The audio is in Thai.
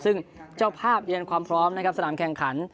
ซึ่งเจ้าภาพเรียนความพร้อมนะครับสถานการณ์แข่งขัน